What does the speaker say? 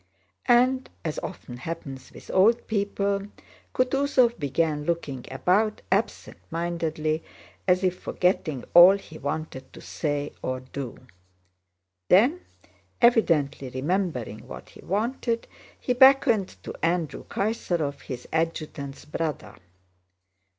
And as often happens with old people, Kutúzov began looking about absent mindedly as if forgetting all he wanted to say or do. Then, evidently remembering what he wanted, he beckoned to Andrew Kaysárov, his adjutant's brother.